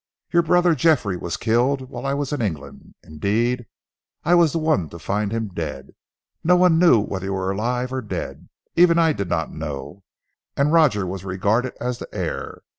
"Your brother Geoffrey was killed whilst I was in England. Indeed, I was the one to find him dead. No one knew whether you were alive or dead, even I did not know, and Roger was regarded as the heir.